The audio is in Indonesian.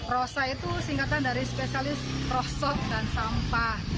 rosa itu singkatan dari spesialis rosot dan sampah